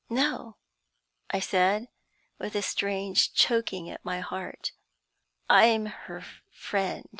"No," I said, with a strange choking at my heart, "I'm her friend."